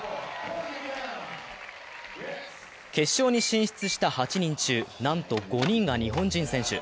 決勝に進出した８人中なんと５人が日本人選手。